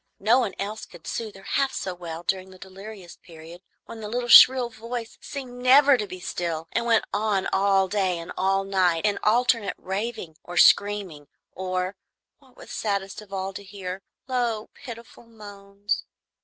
No one else could soothe her half so well during the delirious period, when the little shrill voice seemed never to be still, and went on all day and all night in alternate raving or screaming or, what was saddest of all to hear, low pitiful moans.